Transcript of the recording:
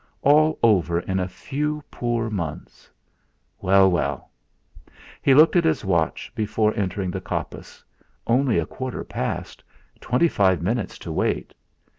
All over in a few poor months! Well, well! He looked at his watch before entering the coppice only a quarter past, twenty five minutes to wait!